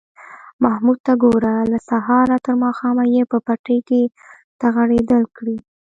محمود ته گوره! له سهاره تر ماښامه یې په پټي کې تغړېدل کړي